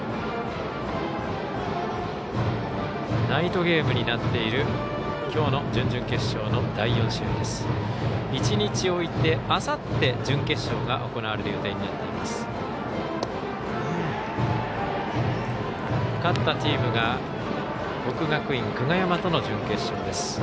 ナイトゲームになっているきょうの準々決勝の第４試合です。